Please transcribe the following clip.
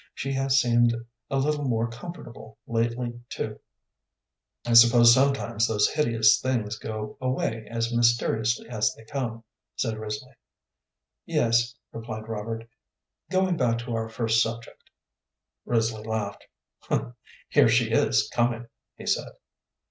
She has seemed a little more comfortable lately, too." "I suppose sometimes those hideous things go away as mysteriously as they come," said Risley. "Yes," replied Robert. "Going back to our first subject " Risley laughed. "Here she is coming," he said.